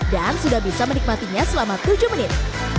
dan sudah bisa menikmatinya selama tujuh menit